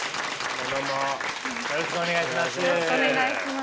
よろしくお願いします。